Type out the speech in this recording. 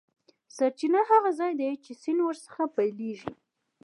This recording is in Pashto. سرچینه هغه ځاي دی چې سیند ور څخه پیل کیږي.